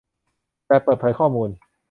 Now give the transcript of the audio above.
แบบเปิดเผยข้อมูล